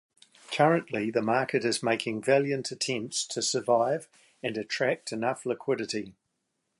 Currently the market is making valiant attempts to survive and attract enough liquidity.